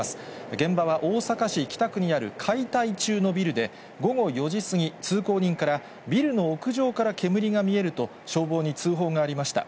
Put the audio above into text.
現場は、大阪市北区にある解体中のビルで、午後４時過ぎ、通行人から、ビルの屋上から煙が見えると、消防に通報がありました。